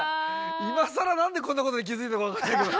今さらなんでこんなことに気付いたか分かんないけど。